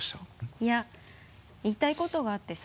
いや言いたいことがあってさ。